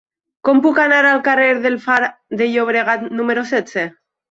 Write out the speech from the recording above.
Com puc anar al carrer del Far de Llobregat número setze?